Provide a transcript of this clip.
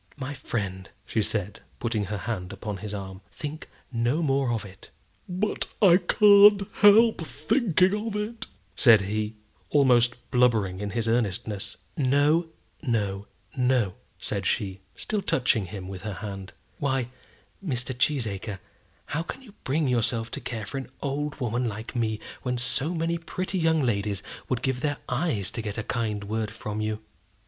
"My friend," she said, putting her hand upon his arm, "think no more of it." "But I can't help thinking of it," said he, almost blubbering in his earnestness. "No, no, no," said she, still touching him with her hand. "Why, Mr. Cheesacre, how can you bring yourself to care for an old woman like me, when so many pretty young ladies would give their eyes to get a kind word from you?"